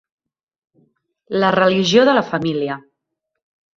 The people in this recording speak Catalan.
La religió de la família.